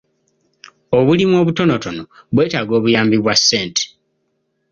Obulimu obutonotono bwetaaga obuyambi bwa ssente.